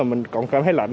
mình còn cảm thấy lạnh